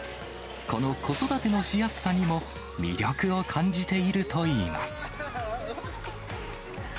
この子育てのしやすさにも魅力を感じているといいます。